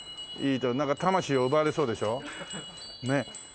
なんか魂を奪われそうでしょ？ねえ。